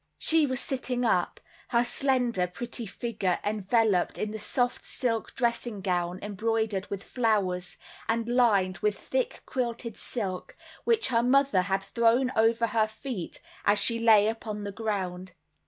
She was sitting up; her slender pretty figure enveloped in the soft silk dressing gown, embroidered with flowers, and lined with thick quilted silk, which her mother had thrown over her feet as she lay upon the ground.